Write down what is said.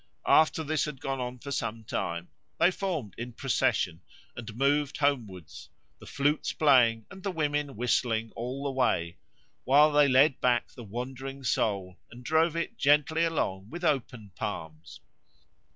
After this had gone on for some time they formed in procession and moved homewards, the flutes playing and the women whistling all the way, while they led back the wandering soul and drove it gently along with open palms.